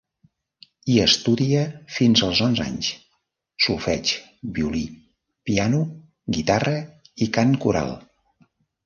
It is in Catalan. Hi estudia fins als onze anys: solfeig, violí, piano, guitarra i cant coral.